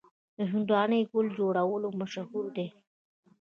د هندواڼې ګل جوړول مشهور دي.